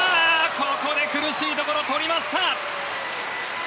ここで苦しいところ取りました！